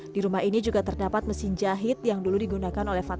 di rumah ini juga terdapat mesin jahit yang dulu digunakan oleh fatwa